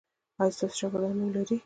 ایا ستاسو شاګردان نوم لری؟